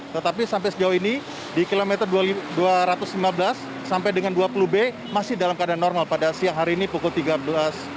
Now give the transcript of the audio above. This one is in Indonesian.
tetapi sampai sejauh ini di kilometer dua ratus lima belas sampai dengan dua puluh b masih dalam keadaan normal pada siang hari ini pukul tiga belas